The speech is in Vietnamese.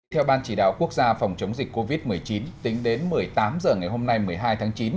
theo ban chỉ đạo quốc gia phòng chống dịch covid một mươi chín tính đến một mươi tám h ngày hôm nay một mươi hai tháng chín